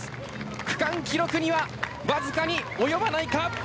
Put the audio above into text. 区間記録にはわずかに及ばないか。